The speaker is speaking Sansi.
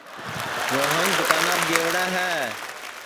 روہن دُؔکاناپ گئوڑا ہے